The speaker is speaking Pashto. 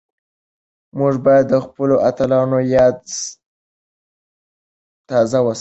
موږ بايد د خپلو اتلانو ياد تازه وساتو.